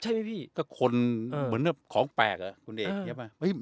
ใช่ไหมพี่ก็คนเออเหมือนกับของแปลกอ่ะคุณเอกเยอะไหมเอ้ย